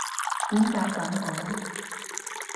點解噉講？